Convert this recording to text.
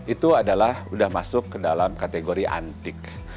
itu adalah sudah masuk ke dalam kategori antik